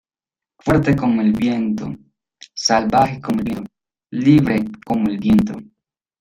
Fuerte como el viento. Salvaje como el viento. Libre como el viento.